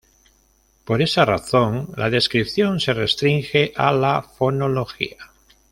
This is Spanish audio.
Por esa razón, la descripción se restringe a la fonología.